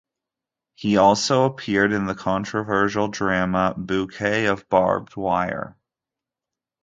He also appeared in the controversial drama "Bouquet of Barbed Wire".